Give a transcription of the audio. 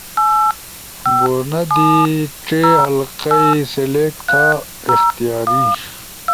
ہونا دی ڇے حلقہ ئی سلیکٹ تھا[اختیاری]